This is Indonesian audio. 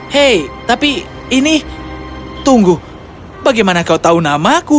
hei tapi ini tunggu bagaimana kau tahu nama aku